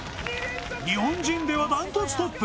日本人では断トツトップ